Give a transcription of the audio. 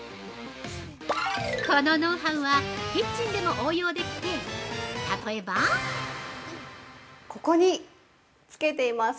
このノウハウはキッチンでも応用できて、例えば◆ここに付けています。